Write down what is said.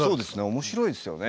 面白いですよね。